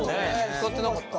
使ってなかった。